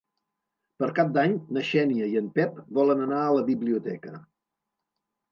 Per Cap d'Any na Xènia i en Pep volen anar a la biblioteca.